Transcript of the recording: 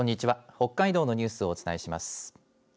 北海道のニュースをお伝えします。